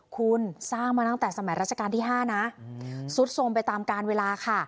คุณสร้างมาตั้งแต่สมัยราชการที่๕นะซุดสมไปตามการเวลาค่ะ